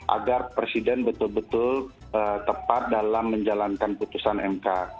agar presiden betul betul tepat dalam menjalankan putusan mk